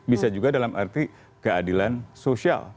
bisa juga dalam arti keadilan sosial